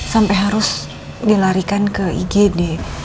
sampai harus dilarikan ke igd